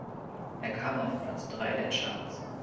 Er kam auf Platz drei der Charts.